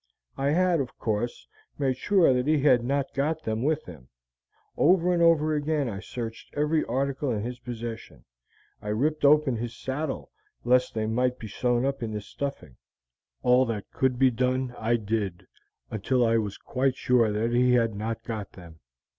I had, of course, made sure that he had not got them with him; over and over again I searched every article in his possession. I ripped open his saddle lest they might be sewn up in its stuffing. All that could be done I did, until I was quite sure that he had not got them.